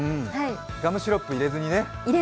ガムシロップ入れずにね。